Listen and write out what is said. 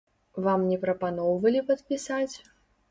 Вам не прапаноўвалі падпісаць?